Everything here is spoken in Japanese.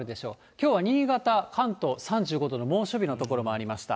きょうは新潟、関東、３５度の猛暑日の所もありました。